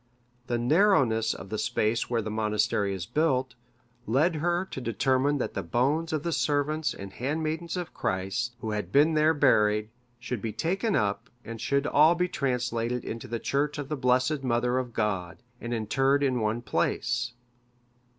The narrowness of the space where the monastery is built, led her to determine that the bones of the servants and handmaidens of Christ, who had been there buried, should be taken up, and should all be translated into the church of the Blessed Mother of God, and interred in one place.